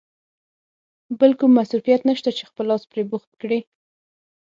بل کوم مصروفیت نشته چې خپل لاس پرې بوخت کړې.